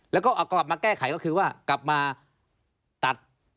แล้วก็เอากลับมาแก้ไขก็คือว่ากลับมาตัด